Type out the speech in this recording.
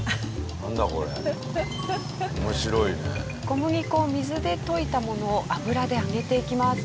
小麦粉を水で溶いたものを油で揚げていきます。